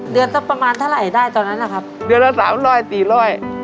เดือนสักประมาณเท่าไหร่ได้ตอนนั้นนะครับเดือนละสามร้อยสี่ร้อย